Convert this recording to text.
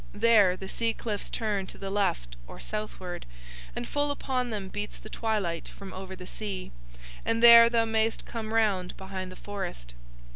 There the sea cliffs turn to the left or southward, and full upon them beats the twilight from over the sea, and there thou mayest come round behind the forest.